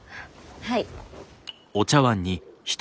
はい。